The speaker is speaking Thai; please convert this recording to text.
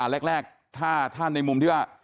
แรกถ้าในมุมที่ว่า